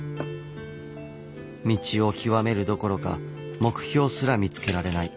道を究めるどころか目標すら見つけられない。